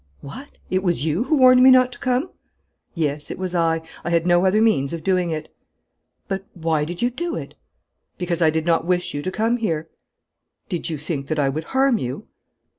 'What! it was you who warned me not to come?' 'Yes, it was I. I had no other means of doing it.' 'But why did you do it?' 'Because I did not wish you to come here.' 'Did you think that I would harm you?'